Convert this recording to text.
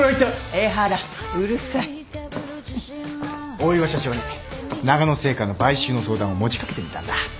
大岩社長にながの製菓の買収の相談を持ち掛けてみたんだ。